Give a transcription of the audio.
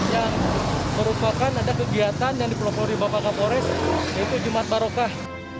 yang merupakan ada kegiatan yang dipelopori bapak kapolres yaitu jumat barokah